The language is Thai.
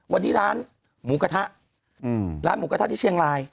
วันนี้ร้านหมูกระทะร้านหมูกระทะที่เชียงราย